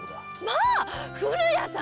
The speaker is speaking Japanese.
まあ⁉古谷さん？